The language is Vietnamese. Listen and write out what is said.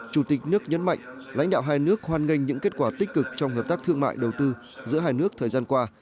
chủ tịch nước nhấn mạnh lãnh đạo hai nước hoan nghênh những kết quả tích cực trong hợp tác thương mại đầu tư giữa hai nước thời gian qua